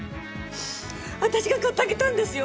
私が買ってあげたんですよ